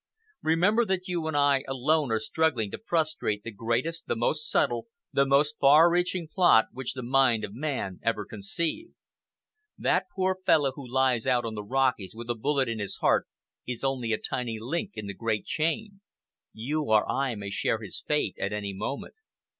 Remember that you and I alone are struggling to frustrate the greatest, the most subtle, the most far reaching plot which the mind of man ever conceived. That poor fellow who lies out on the Rockies with a bullet in his heart, is only a tiny link in the great chain: you or I may share his fate at any moment.